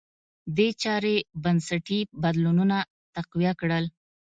دې چارې بنسټي بدلونونه تقویه کړل.